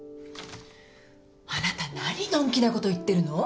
あなた何のんきなこと言ってるの？